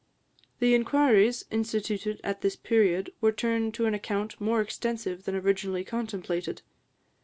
The inquiries instituted at this period were turned to an account more extensive than originally contemplated.